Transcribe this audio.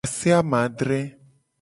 Ase amadre.